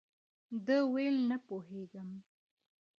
ده ویل، نه پوهېږم.